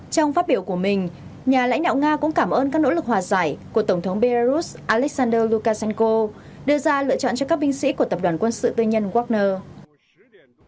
trong phát biểu của mình nhà lãnh đạo nga cũng cảm ơn các nỗ lực hòa giải của tổng thống belarus alexander lukashenko đưa ra lựa chọn cho các binh sĩ của tập đoàn quân sự tư nhân wagner